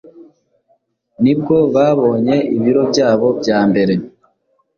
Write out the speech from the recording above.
nibwo babonye ibiro byabo bya mbere.